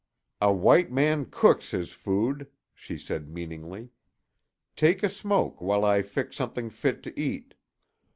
"A white man cooks his food," she said meaningly. "Take a smoke while I fix something fit to eat."